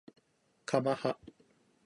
かまは